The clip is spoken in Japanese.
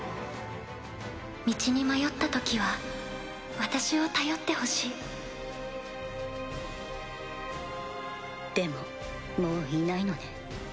道に迷った時は私を頼ってほでももういないのね。